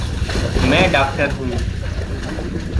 मैं डॉक्टर हूँ।